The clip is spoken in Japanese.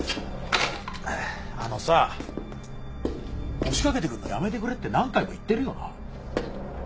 あのさ押し掛けてくるのやめてくれって何回も言ってるよな。